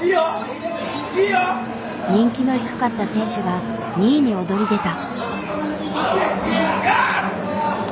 人気の低かった選手が２位に躍り出た。